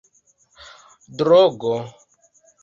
drogo